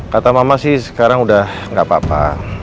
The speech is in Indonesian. kata mama sih sekarang udah gak apa apa